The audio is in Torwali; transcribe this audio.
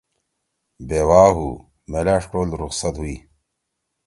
بیوا ہُو۔ میلاݜ ٹول رخصت ہوئی۔